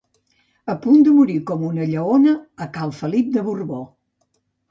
A punt de morir com una lleona a cal Felip de Borbó.